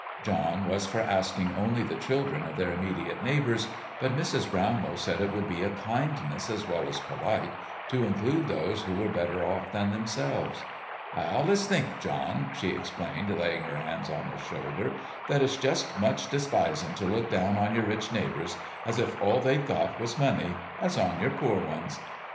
John was for asking only the children of their immediate neighbors; but Mrs. Brownlow said it would be a kindness, as well as polite, to include those who were better off than themselves. "I allus think, John," she explained, laying her hand on his shoulder, "that it's just's much despisin' to look down on your rich neighbors as if all they'd got was money as on your poor ones.